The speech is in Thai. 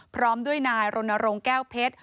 พร้อมด้วยนายรณรงค์แก้วเพชร